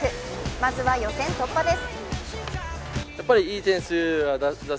まずは予選突破です。